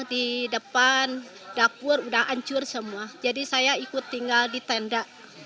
di depan dapur udah hancur semua jadi saya ikut tinggal di tenda